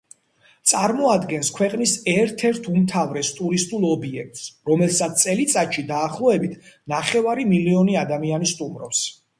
წარმოადგენს ქვეყნის ერთ-ერთ უმთავრეს ტურისტულ ობიექტს, რომელსაც წელიწადში დაახლოებით ნახევარი მილიონი ადამიანი სტუმრობს.